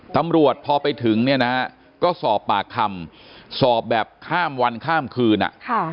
ตำรวจพอไปถึงเนี่ยนะฮะก็สอบปากคำสอบแบบข้ามวันข้ามคืนอ่ะค่ะ